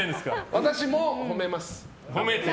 私も褒めます。